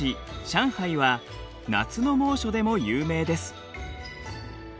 シャンハイは夏の猛暑でも有名です。